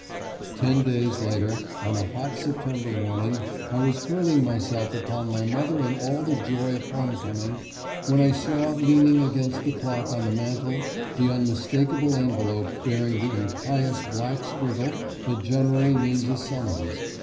Ten days later, on a hot September morning, I was hurling myself upon my mother in all the joy of home coming when I saw leaning against the clock on the mantel the unmistakable envelope, bearing the impious black scriggle that generally meant a summons.